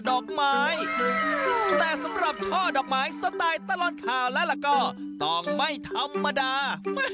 ดอกไม้แต่สำหรับช่อดอกไม้สไตล์ตลอดข่าวแล้วก็ต้องไม่ธรรมดา